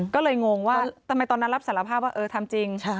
ก็เลยงงว่าทำไมตอนนั้นรับสารภาพว่าเออทำจริง